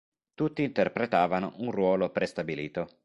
Tutti interpretavano un ruolo prestabilito.